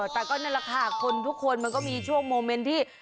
แต่ก็นั่นแหละค่ะคนทุกคนมันก็มีช่วงโมเมนต์ที่